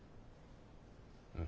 うん。